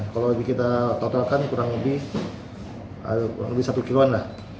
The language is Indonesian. kalau kita totalkan kurang lebih satu kiloan lah